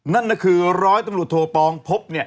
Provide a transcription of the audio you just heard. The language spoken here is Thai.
นั่นนะคือร้อยตำรวจโทปองพบเนี่ย